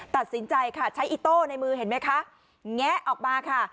ตัดสินใจค่ะใช้อิโต้ในมือเห็นไหมคะแงะออกมาค่ะ